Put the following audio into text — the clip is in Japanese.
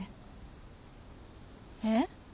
えっ？